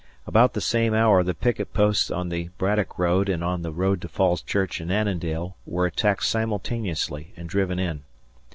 About the same hour the picket posts on the Braddock Road and on the road to Falls Church and Annandale, were attacked simultaneously and driven in.